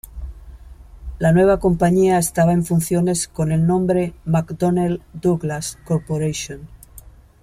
La nueva compañía estaba en funciones con el nombre: McDonnell Douglas Corporation.